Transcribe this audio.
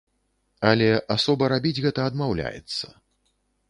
Але асоба рабіць гэта адмаўляецца.